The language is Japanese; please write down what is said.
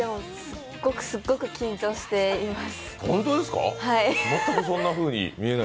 すっごくすっごく緊張しています。